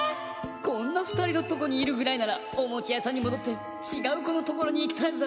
「こんなふたりのとこにいるぐらいならおもちゃやさんにもどってちがうこのところにいきたいぜ」。